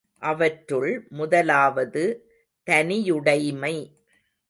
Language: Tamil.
அவற்றுள் முதலாவது தனியுடைமை.